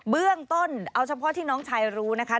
เบื้องต้นเอาเฉพาะที่น้องชายรู้นะคะ